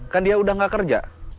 kan dia udah gak kerja